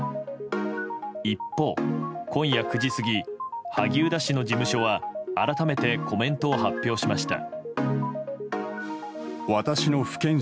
一方、今夜９時過ぎ萩生田氏の事務所は改めてコメントを発表しました。